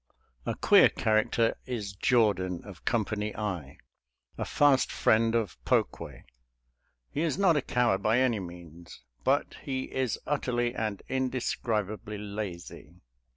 A queer character is Jordan, of Company I, a fast friend of Pokue. He is not a coward by any means, but he is utterly and indescribably lazy.